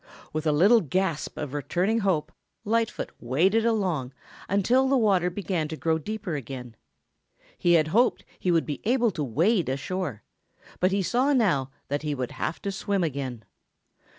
With a little gasp of returning hope, Lightfoot waded along until the water began to grow deeper again. He had hoped that he would be able to wade ashore, but he saw now that he would have to swim again.